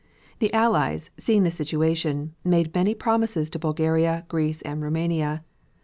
The Allies, seeing the situation, made many promises to Bulgaria, Greece and Roumania.